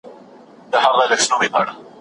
پراختيا غوښتنه د دوی تګلاره وه.